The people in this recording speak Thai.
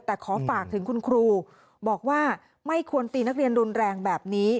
แต่ขอฝากถึงคุณครูบอกว่าไม่ควรตีนักเรียนรุนแรงแบบนี้